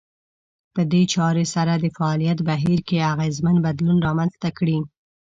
په دې چارې سره د فعاليت بهير کې اغېزمن بدلون رامنځته کړي.